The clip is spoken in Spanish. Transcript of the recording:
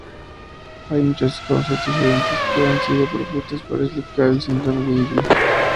Hay muchas causas diferentes que han sido propuestas para explicar el síndrome de Eagle.